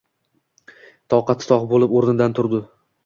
Toqati toq bo‘lib, o‘rnidan turdi.